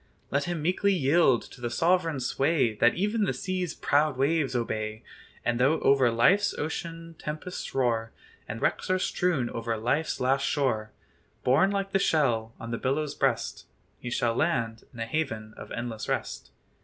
Let him meekly yield to the sovereign sway That even the sea's "proud waves" obey; And though over life's ocean tempests roar, And wrecks are strewn over "life's last shore," Borne like the shell on the billow's breast, He shall land in a haven of endless rest.